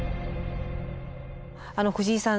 藤井さん